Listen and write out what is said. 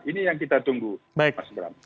ini yang kita tunggu mas bram